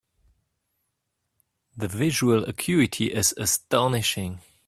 The visual acuity is astonishing.